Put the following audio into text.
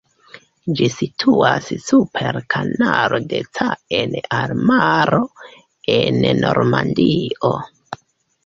Ĝi situas super Kanalo de Caen al Maro, en Normandio.